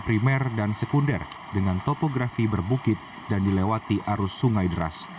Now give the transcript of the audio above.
primer dan sekunder dengan topografi berbukit dan dilewati arus sungai deras